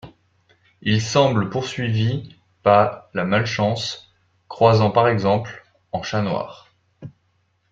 Il semble poursuivi pas la malchance, croisant par exemple en chat noir.